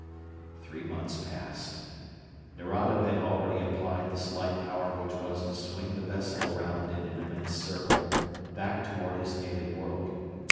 Three months passed. Nerado had already applied the slight power which was to swing the vessel around in an immense circle, back toward his native world.